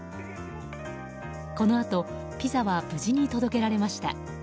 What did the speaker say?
このあとピザは無事に届けられました。